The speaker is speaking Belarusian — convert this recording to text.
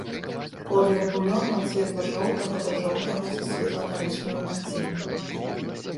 Колер булёну ад светла-жоўтага да жоўтага са светла-карычневым адценнем.